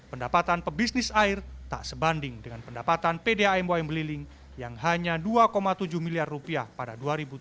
pendapatan pebisnis air tak sebanding dengan pendapatan pdam ym beliling yang hanya dua tujuh miliar rupiah pada dua ribu tujuh belas